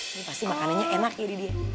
ini pasti makanannya enak ya didi